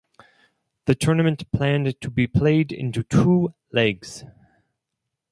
The tournament planned to be played into two legs.